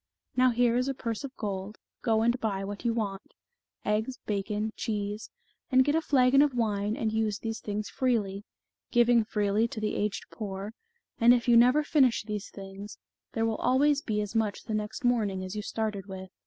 Now here is a purse of gold, go and buy what you want, eggs, bacon, cheese, and get a flagon of wine and use these things freely, giving freely to the aged poor, and if you never finish these things, there will always be as much the next morning as you started with.